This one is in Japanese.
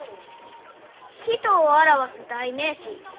「人を表す代名詞。